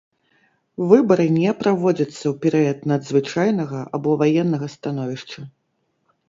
Выбары не праводзяцца ў перыяд надзвычайнага або ваеннага становішча.